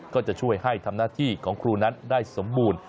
ก็จะช่วยให้ทำหน้าที่ของครูนั้นได้สมบูรณ์